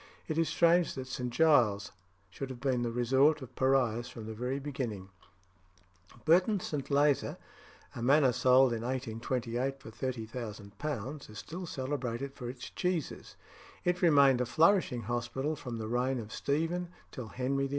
It is strange that St. Giles's should have been the resort of pariahs from the very beginning. Burton St. Lazar (a manor sold in 1828 for £30,000) is still celebrated for its cheeses. It remained a flourishing hospital from the reign of Stephen till Henry VIII.